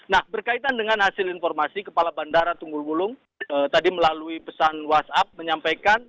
nah berkaitan dengan hasil informasi kepala bandara tunggul wulung tadi melalui pesan whatsapp menyampaikan